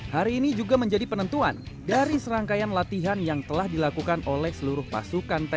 hari ini juga menjadi penentuan dari serangkaian latihan yang telah dilakukan oleh seluruh pasukan tni